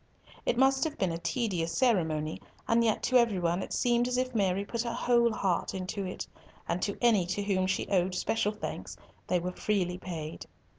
It must have been a tedious ceremony, and yet to every one it seemed as if Mary put her whole heart into it, and to any to whom she owed special thanks they were freely paid.